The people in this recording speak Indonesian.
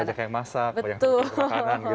banyak yang masak banyak yang makanan gitu